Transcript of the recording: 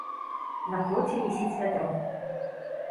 На плоце вісіць вядро.